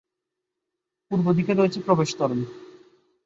পূর্ব দিকে রয়েছে প্রবেশ তোরণ।